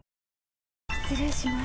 失礼します。